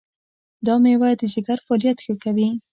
دا مېوه د ځیګر فعالیت ښه کوي.